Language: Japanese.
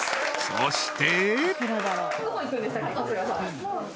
［そして］